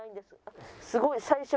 すごい。